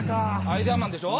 アイデアマンでしょ？